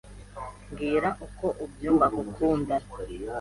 Mbwira uko byumva gukundana.